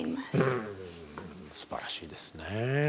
うんすばらしいですね。